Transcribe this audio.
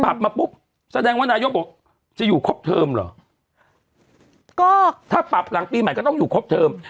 ปรับมาปุ๊บแสดงว่านายกบอกจะอยู่ครบเทอมเหรอก็ถ้าปรับหลังปีใหม่ก็ต้องอยู่ครบเทอม